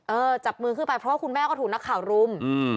จับมือขึ้นไปเพราะว่าคุณแม่ก็ถูกนักข่าวรุมอืม